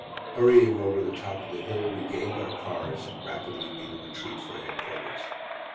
Hurrying over the top of the hill we gained our cars, and rapidly beat a retreat for headquarters.